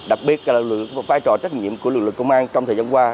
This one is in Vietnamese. đặc biệt là vai trò trách nhiệm của lực lực công an trong thời gian qua